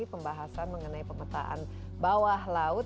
pembahasan mengenai pemetaan bawah laut